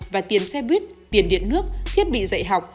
và tiền xe buýt tiền điện nước thiết bị dạy học